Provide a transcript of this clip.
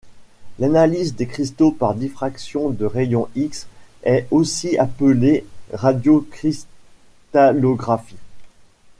L'analyse des cristaux par diffraction de rayons X est aussi appelée radiocristallographie.